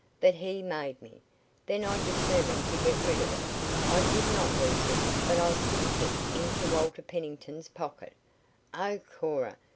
But he made me. Then I determined to get rid of it. I did not lose it, but I slipped it into Walter Pennington's pocket. Oh, Cora!